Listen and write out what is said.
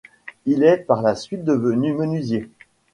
Il est par la suite devenu menuisier.